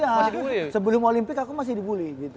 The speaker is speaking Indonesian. oh iya sebelum olimpik aku masih di bully gitu